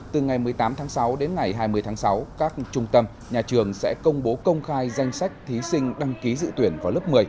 từ ngày một mươi tám tháng sáu đến ngày hai mươi tháng sáu các trung tâm nhà trường sẽ công bố công khai danh sách thí sinh đăng ký dự tuyển vào lớp một mươi